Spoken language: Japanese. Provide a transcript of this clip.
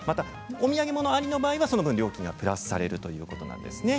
お土産ありの場合はその分料金がプラスされるということなんですね。